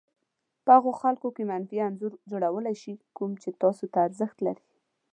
په هغو خلکو کې منفي انځور جوړولای شي کوم چې تاسې ته ارزښت لري.